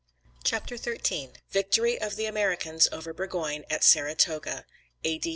] CHAPTER XIII. VICTORY OF THE AMERICANS OVER BURGOYNE AT SARATOGA, A.D.